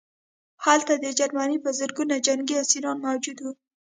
هلته د جرمني په زرګونه جنګي اسیران موجود وو